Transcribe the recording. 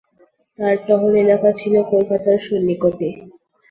তাঁর টহল এলাকা ছিল কলকাতার সন্নিকটে।